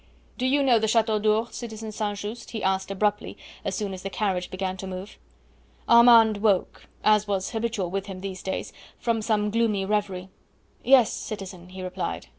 "Do you know the Chateau d'Ourde, citizen St. Just?" he asked abruptly as soon as the carriage began to move. Armand woke as was habitual with him these days from some gloomy reverie. "Yes, citizen," he replied.